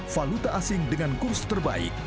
valuta asing dengan kurs terbaik